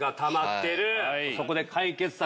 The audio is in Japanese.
そこで解決策